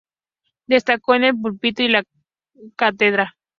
Destacó en el púlpito y en la cátedra.